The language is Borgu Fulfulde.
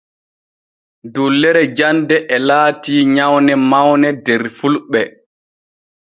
Dullere jande e laati nyawne mawne der fulɓe.